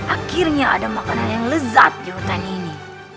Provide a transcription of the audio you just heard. akhirnya ada makanan yang lezat di hutan ini